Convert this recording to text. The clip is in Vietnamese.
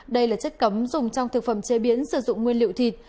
đây là chất cấm dùng trong thực phẩm chế biến sử dụng nguyên liệu thịt